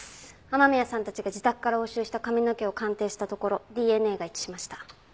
雨宮さんたちが自宅から押収した髪の毛を鑑定したところＤＮＡが一致しました。